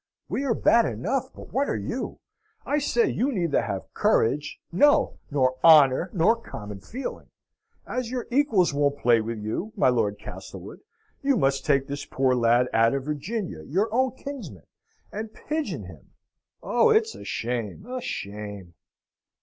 We are bad enough, but what are you? I say, you neither have courage no, nor honour, nor common feeling. As your equals won't play with you, my Lord Castlewood, you must take this poor lad out of Virginia, your own kinsman, and pigeon him! Oh, it's a shame a shame!"